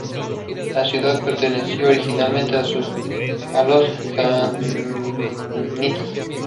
La ciudad perteneció originalmente a los samnitas.